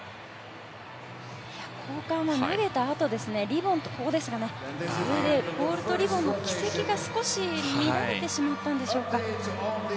交換、投げたあとボールとリボンの軌跡が、少し乱れてしまったんでしょうか。